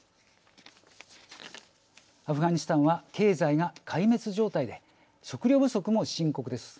アフガニスタンは経済が壊滅状態で食料不足も深刻です。